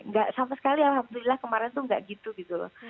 nggak sama sekali alhamdulillah kemarin tuh nggak gitu gitu loh